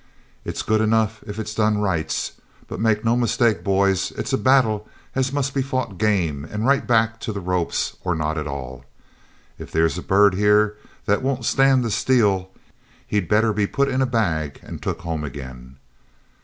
It's good enough if it's done to rights; but make no mistake, boys, it's a battle as must be fought game, and right back to the ropes, or not at all. If there's a bird here that won't stand the steel he'd better be put in a bag and took home again.'